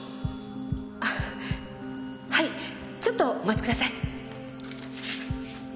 あっはいちょっとお待ちください。